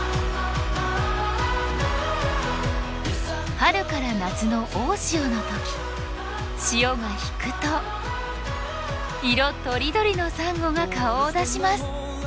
春から夏の大潮の時潮が引くと色とりどりのサンゴが顔を出します。